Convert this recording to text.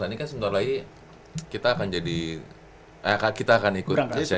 ini kan sebentar lagi kita akan ikut asean games